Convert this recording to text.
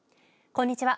こんにちは。